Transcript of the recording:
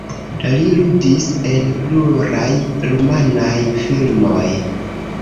Li ludis en pluraj rumanaj filmoj.